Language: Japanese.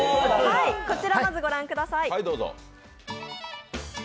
こちらまずご覧ください。